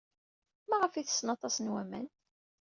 Maɣef ay ttessen aṭas n waman?